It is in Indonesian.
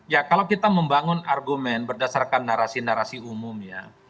ya kalau kita membangun argumen berdasarkan narasi narasi umum ya